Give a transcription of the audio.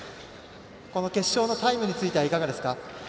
この決勝のタイムについてはいかがですか？